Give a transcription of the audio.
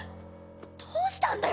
どうしたんだよ？